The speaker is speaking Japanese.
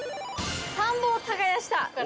田んぼを耕したから。